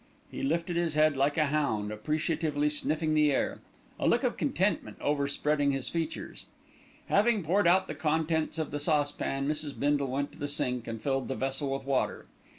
He lifted his head like a hound, appreciatively sniffing the air, a look of contentment overspreading his features. Having poured out the contents of the saucepan, Mrs. Bindle went to the sink and filled the vessel with water.